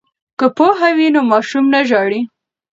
که پوهه وي نو ماشوم نه ژاړي.